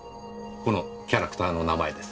このキャラクターの名前です。